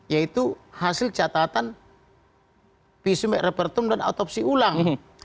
yaitu hasil catatan visum et repertum dan autopsi ulang